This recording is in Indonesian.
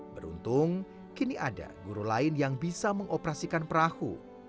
beruntung kini ada guru lain yang bisa mengoperasikan perahu